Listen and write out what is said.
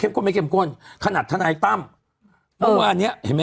เขาบอกเขาแยกแยะได้